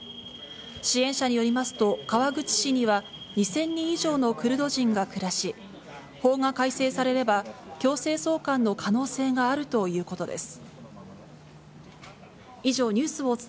支援者によりますと、川口市には２０００人以上のクルド人が暮らし、法が改正されれば強制送還の可能性があるということです。